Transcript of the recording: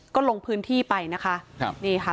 ก็ลงพื้นที่ไปนะคะ